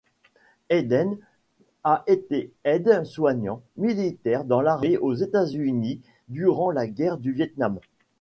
Hayden a été aide-soignant militaire dans l'armée aux États-Unis durant la guerre du Viet-Nam.